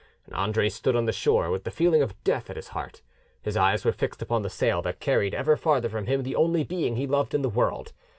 Andre stood on the shore with the feeling of death at his heart: his eyes were fixed upon the sail that carried ever farther from him the only being he loved in the world.